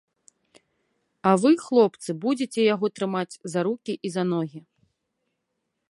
А вы, хлопцы, будзеце яго трымаць за рукі і за ногі.